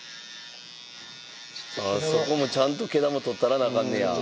そこもちゃんと毛玉取ったらなアカンねや。